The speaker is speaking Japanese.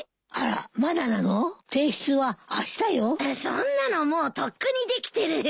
そんなのもうとっくにできてるよ。